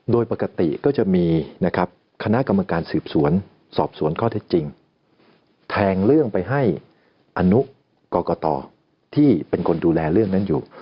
โดยปกติก็จะมีนะครับคณะกรรมการสืบสวนสอบสวนข้อเท็จจริงแทงเรื่องไปให้อนุกรกตที่เป็นคนดูแลเรื่องนั้นอยู่